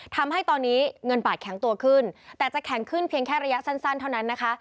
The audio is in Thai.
ทำให้ตอนนี้เงินบาทแข็งตัวขึ้นแต่จะแข็งขึ้นเพียงแค่ระยะสั้นเท่านั้นนะคะ